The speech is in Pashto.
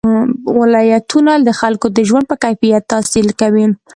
ولایتونه د خلکو د ژوند په کیفیت تاثیر کوي.